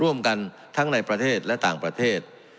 ร่วมกันทั้งในประเทศและต่างประเทศ